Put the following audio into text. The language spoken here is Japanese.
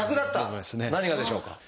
何がでしょうか？